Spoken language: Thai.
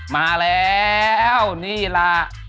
มาแล้วนี่ล่ะ